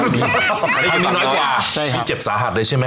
นี่เจ็บสาหัสเลยใช่ไหมครับ